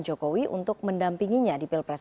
jokowi untuk mendampinginya di pilpres